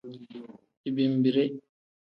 Digbeemire.